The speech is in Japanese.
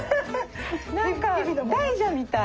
何か大蛇みたい。